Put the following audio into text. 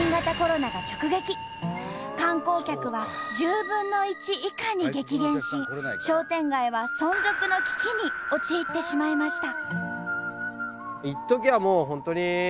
観光客は１０分の１以下に激減し商店街は存続の危機に陥ってしまいました。